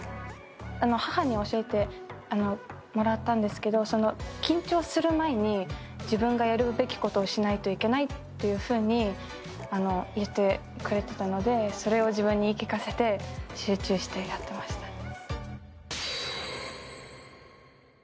母に教えてもらったんですけど、緊張する前に自分がやるべきことをしないといけないと言ってくれてたので、それを自分に言い聞かせて集中してやってました。